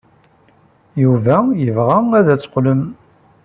Yuba yebɣa ad d-teqqlem.